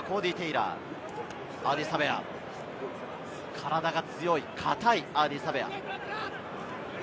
体が強い、堅い、アーディー・サヴェア。